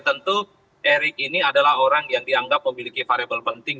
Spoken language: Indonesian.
tentu erick ini adalah orang yang dianggap memiliki variable penting